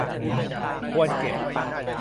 ควรเก็บ